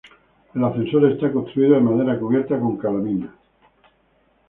El ascensor está construido de madera cubierta con calamina.